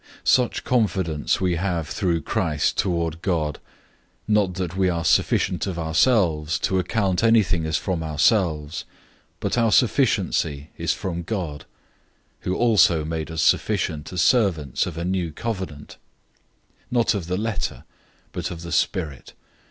003:004 Such confidence we have through Christ toward God; 003:005 not that we are sufficient of ourselves, to account anything as from ourselves; but our sufficiency is from God; 003:006 who also made us sufficient as servants of a new covenant; not of the letter, but of the Spirit.